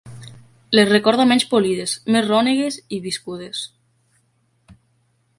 Les recorda menys polides, més rònegues i viscudes.